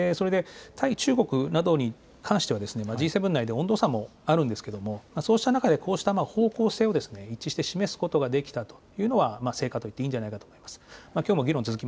そして対中国などに関してはＧ７内で温度差もあるんですがそうした中でこうした方向性を一致して示すことができたというのは成果と言っていいんじゃないかと思います。